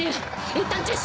いったん中止！